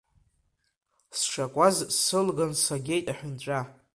Сшакуаз, сылган сагеит аҳәынҵәа.